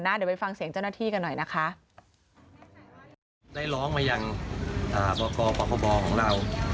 เดี๋ยวไปฟังเสียงเจ้าหน้าที่กันหน่อยนะคะ